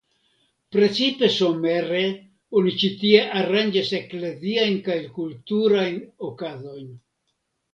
Precipe somere oni ĉi tie aranĝas ekleziajn kaj kultuajn okazojn.